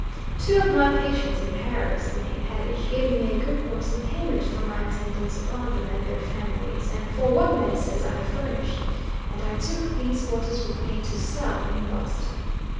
Two of my patients in Paris, Maine, had each given me a good horse in payment for my attendance upon them and their families, and for what medicines I had furnished, and I took these horses with me to sell in Boston.